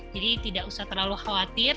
jadi tidak usah terlalu khawatir